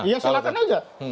ya silahkan aja